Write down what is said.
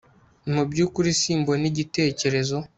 Mubyukuri simbona igitekerezo